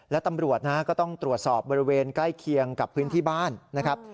และตำรวจนะฮะก็ต้องตรวจสอบบริเวณใกล้เคียงกับพื้นที่บ้านนะครับ